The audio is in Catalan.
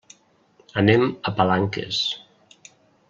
Anem a Palanques.